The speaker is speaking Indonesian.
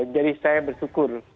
jadi saya bersyukur